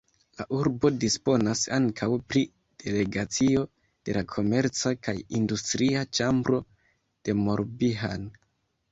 La urbo disponas ankaŭ pri delegacio de la komerca kaj industria ĉambro de Morbihan.